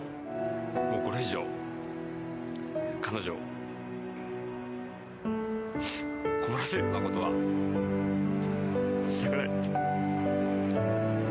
もうこれ以上彼女を困らせるようなことはしたくないって。